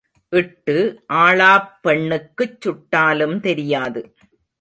இட்டு ஆளாப் பெண்ணுக்குச் சுட்டாலும் தெரியாது.